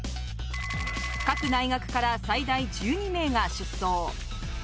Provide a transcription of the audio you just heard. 各大学から最大１２名が出走。